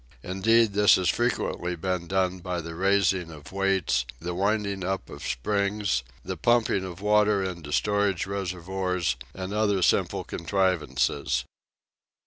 Indeed this has frequently been done by the raising of weights, the winding up of springs, the pumping of water into storage reservoirs and other simple contrivances.